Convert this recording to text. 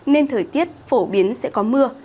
nên thời tiết phổ biến sẽ có mưa